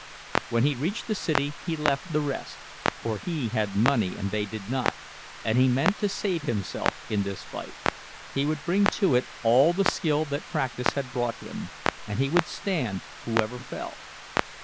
When he reached the city he left the rest, for he had money and they did not, and he meant to save himself in this fight. He would bring to it all the skill that practice had brought him, and he would stand, whoever fell.